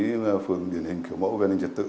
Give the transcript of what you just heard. công an phường điển hình kiểu mẫu về an ninh trật tự